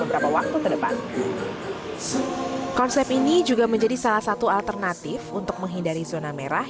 beberapa waktu ke depan konsep ini juga menjadi salah satu alternatif untuk menghindari zona merah